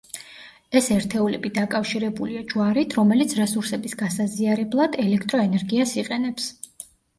ეს ერთეულები დაკავშირებულია ჯვარით რომელიც რესურსების გასაზიარებლად, ელექტროენერგიას იყენებს.